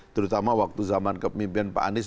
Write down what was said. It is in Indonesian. terutama waktu zaman kepemimpinan pak anies